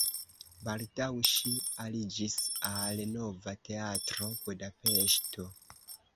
Baldaŭ ŝi aliĝis al Nova Teatro (Budapeŝto).